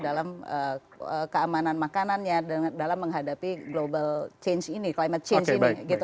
dalam keamanan makanannya dalam menghadapi global change ini climate change ini gitu